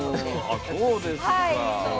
あっそうですか。